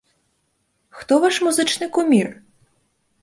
Хто ваш музычны кумір?